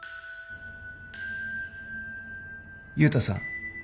雄太さん